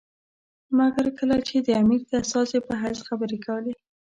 مګر کله چې یې د امیر د استازي په حیث خبرې کولې.